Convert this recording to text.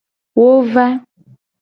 Wo va.